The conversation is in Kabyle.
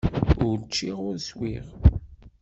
Ur ččiɣ ur swiɣ.